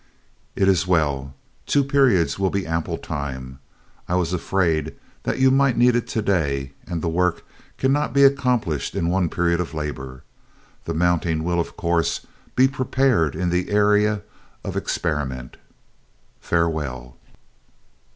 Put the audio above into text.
"It is well. Two periods will be ample time: I was afraid that you might need it today, and the work cannot be accomplished in one period of labor. The mounting will, of course, be prepared in the Area of Experiment. Farewell."